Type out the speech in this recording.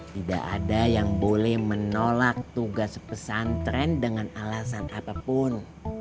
tidak ada yang boleh menolak tugas pesantren dengan alasan apapun